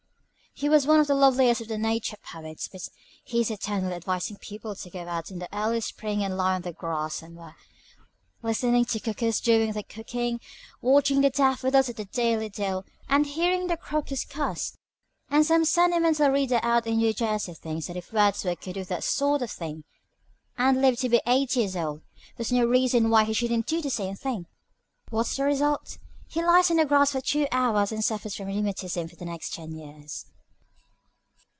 He was one of the loveliest of the Nature poets, but he's eternally advising people to go out in the early spring and lie on the grass somewhere, listening to cuckoos doing their cooking, watching the daffodils at their daily dill, and hearing the crocus cuss; and some sentimental reader out in New Jersey thinks that if Wordsworth could do that sort of thing, and live to be eighty years old, there's no reason why he shouldn't do the same thing. What's the result? He lies on the grass for two hours and suffers from rheumatism for the next ten years."